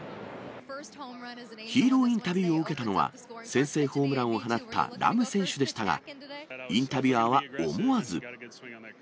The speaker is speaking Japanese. ヒーローインタビューを受けたのは、先制ホームランを放ったラム選手でしたが、インタビュアーは思わず。